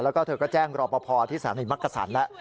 แล้วก็เจ้ารอปภที่สถานีมักกระสันแล้ว